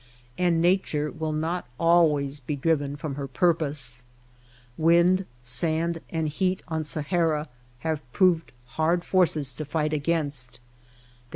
And Nature will not always be driven from her purpose. Wind, sand, and heat on Sahara have proven hard forces to fight against ; they Ploughing thepraines.